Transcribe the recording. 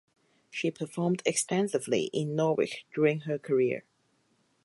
She performed extensively in Norwich during her career.